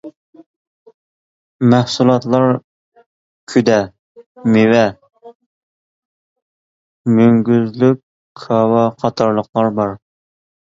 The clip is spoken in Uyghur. مەھسۇلاتلار كۈدە، مېۋە، مۈڭگۈزلۈك كاۋا قاتارلىقلار بار.